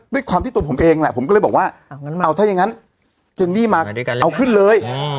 ด้วยความที่ตัวผมเองแหละผมก็เลยบอกว่าเอาถ้ายังงั้นเจนนี่มาเอาขึ้นเลย